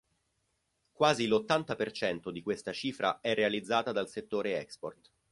Quasi l'ottanta per cento di questa cifra è realizzata dal settore export.